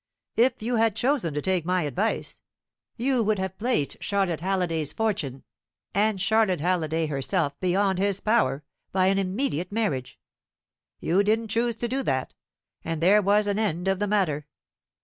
If you had chosen to take my advice, you would have placed Charlotte Halliday's fortune, and Charlotte Halliday herself, beyond his power, by an immediate marriage. You didn't choose to do that, and there was an end of the matter.